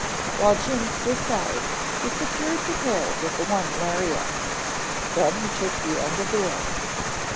While Jim stood guard, he secured the pair with the one lariat, then he took the end of the rope.